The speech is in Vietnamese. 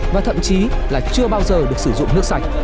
và thậm chí là chưa bao giờ được sử dụng nước sạch